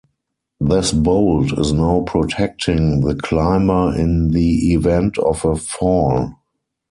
This bolt is now protecting the climber in the event of a fall.